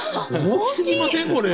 大きすぎませんこれ？